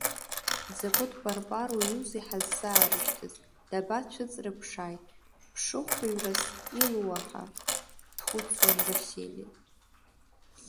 Дзакәытә парпарҩузеи ҳаззаарышьҭыз, дабацәыҵрыԥшааи, ԥшыхәҩрас илоу аҳа, дхәыцуан Васили.